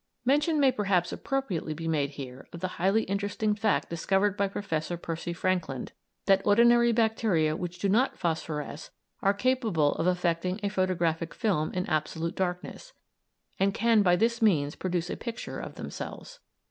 Mention may perhaps appropriately be made here of the highly interesting fact discovered by Professor Percy Frankland, that ordinary bacteria which do not phosphoresce are capable of affecting a photographic film in absolute darkness, and can by this means produce a picture of themselves.